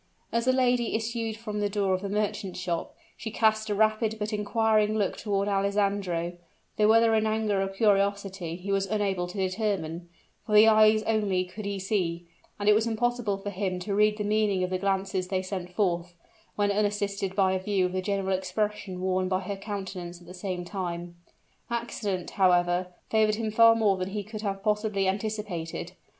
As the lady issued from the door of the merchant's shop, she cast a rapid but inquiring look toward Alessandro, though whether in anger or curiosity he was unable to determine, for the eyes only could he see, and it was impossible for him to read the meaning of the glances they sent forth, when unassisted by a view of the general expression worn by her countenance at the same time. Accident, however, favored him far more than he could have possibly anticipated.